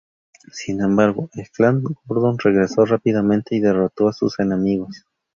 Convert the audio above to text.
Sin embargo, el Clan Gordon regresó rápidamente y derrotó a sus enemigos.